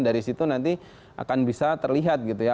dari situ nanti akan bisa terlihat gitu ya